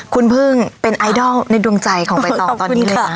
คุณพึ่งเป็นไอดอลในดวงใจของใบตองตอนนี้เลยค่ะ